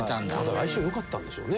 相性良かったんでしょうね。